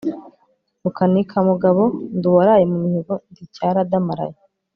Rukanikamugabo ndi uwaraye mu mihigo ndi Cyaradamaraye